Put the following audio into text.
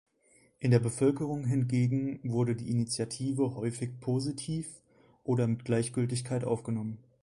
In der Bevölkerung hingegen wurde die Initiative häufig positiv oder mit Gleichgültigkeit aufgenommen.